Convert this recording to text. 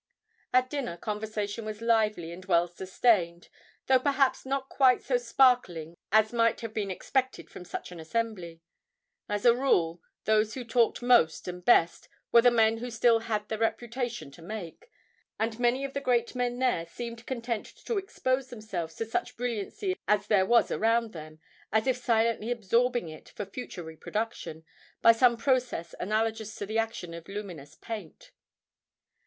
At dinner conversation was lively and well sustained, though perhaps not quite so sparkling as might have been expected from such an assembly. As a rule, those who talked most and best were the men who still had their reputation to make, and many of the great men there seemed content to expose themselves to such brilliancy as there was around them, as if silently absorbing it for future reproduction, by some process analogous to the action of luminous paint.